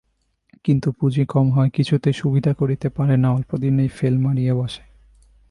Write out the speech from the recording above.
কিন্তু পুঁজি কম হওয়ায় কিছুতেই সুবিধা করিতে পারে না, অল্পদিনেই ফেল মারিয়া বসে।